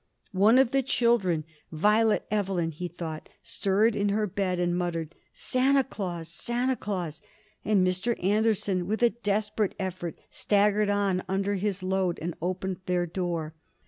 One of the children, Violet Evelyn he thought, stirred in her bed and muttered: "Santa Claus! Santa Claus!" and Mr. Anderson, with a desperate effort, staggered on under his load and opened their door.